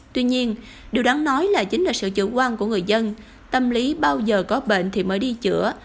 tuy nhiên điều đáng nói là chính là sự chủ quan của người dân tâm lý bao giờ có bệnh thì mới đi chữa